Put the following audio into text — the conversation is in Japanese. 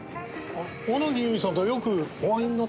小野木由美さんとはよくお会いになってるんですか？